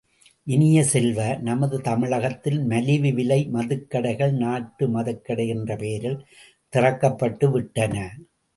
இனிய செல்வ, நமது தமிழகத்தில் மலிவு விலை மதுக்கடைகள் நாட்டு மதுக்கடை என்ற பெயரில் திறக்கப்பட்டு விட்டன.